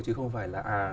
chứ không phải là